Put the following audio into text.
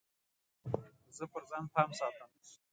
زه پر ځان پام ساتم.